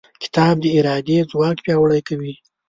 کتاب د ارادې ځواک پیاوړی کوي.